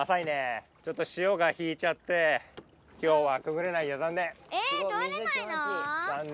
ちょっとしおが引いちゃって今日はくぐれないやざんねん！